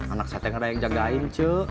anak saya tak ada yang jagain cik